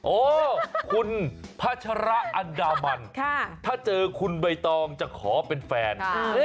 โอ้คุณพัชระอันดามันถ้าเจอคุณใบตองจะขอเป็นแฟน